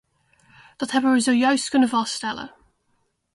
Dat hebben we zojuist kunnen vaststellen.